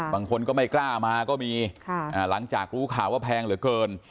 บางคนก็ไม่กล้ามาก็มีหลังจากรู้ข่าวว่าแพงเหลือเกิน